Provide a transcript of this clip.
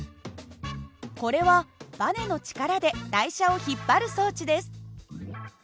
これはばねの力で台車を引っ張る装置です。